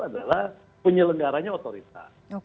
adalah penyelenggaranya otorita